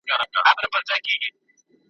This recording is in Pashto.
چي یې منع کړي له غلا بلا وهلی `